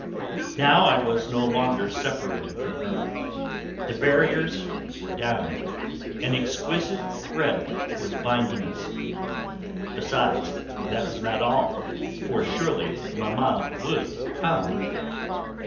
Now I was no longer separated from her; the barriers were down; an exquisite thread was binding us. Besides, that was not all, for surely Mamma would come.